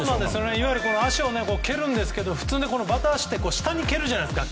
いわゆる足を蹴るんですけど普通バタ足って下に蹴るじゃないですか。